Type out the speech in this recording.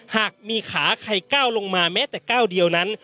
หากมีขาใครก้าวลงมาแม้แต่ก้าวเดียวนั้น